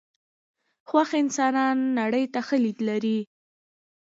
خوښ انسانان نړۍ ته ښه لید لري .